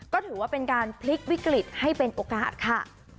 ก็ถือว่าเป็นการพลิกวิกฤตให้เป็นโอกาสค่ะ